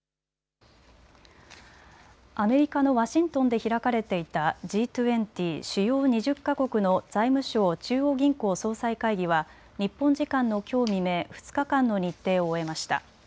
アメリカのワシントンで開かれていたＧ２０・主要２０か国の財務相・中央銀行総裁会議は日本時間のきょう未明、２日間の日程を終えました。